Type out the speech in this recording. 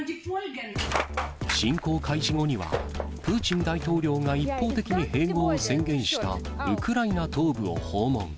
侵攻開始後には、プーチン大統領が一方的に併合を宣言したウクライナ東部を訪問。